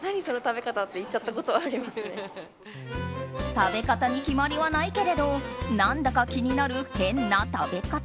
食べ方に決まりはないけれど何だか気になる変な食べ方。